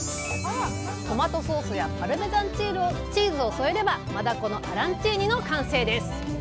トマトソースやパルメザンチーズを添えれば「マダコのアランチーニ」の完成です！